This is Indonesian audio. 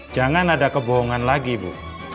jangan ada kebohongan lagi bu